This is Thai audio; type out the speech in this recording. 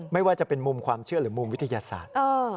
ไม่ว่าจะเป็นมุมความเชื่อหรือมุมวิทยาศาสตร์